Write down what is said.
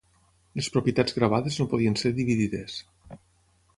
Les propietats gravades no podien ser dividides.